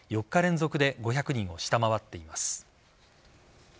４日連続で５００人を下回っています。